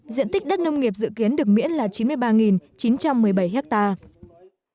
diện tích đất nông nghiệp dự kiến được miễn là chín mươi ba chín trăm một mươi bảy hectare